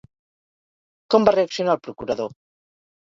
Com va reaccionar el procurador?